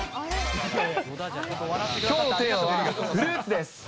きょうのテーマはフルーツです。